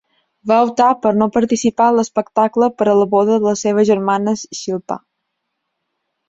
Va optar per no participar en l'espectacle per a la boda de la seva germana Shilpa.